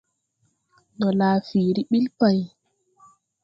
Ndo laa fiiri ɓil pay.